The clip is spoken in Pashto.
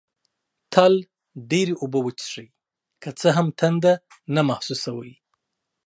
تل ډېري اوبه وڅېښئ، که څه هم تنده نه محسوسوئ